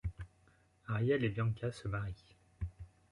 Ariel et Bianca se marient.